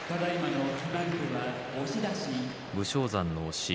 武将山の押し